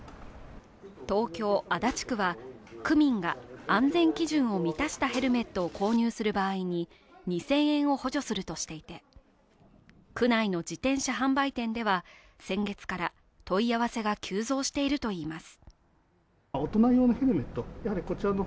東京・足立区は区民が安全基準を満たしたヘルメットを購入する場合に２０００円を補助するとしていて区内の自転車販売店では先月から問い合わせが急増しているといいます。